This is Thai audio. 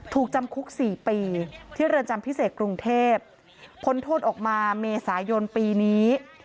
ถูกจำคุก๔ปีที่เรือนจำพิเศษกรุงเทพพ้นโทษออกมาเมษายนปีนี้